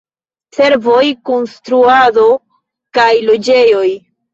Servoj, konstruado kaj loĝejoj.